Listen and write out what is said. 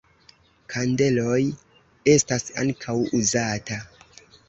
Kandeloj estas ankaŭ uzata.